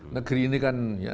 negeri ini kan ya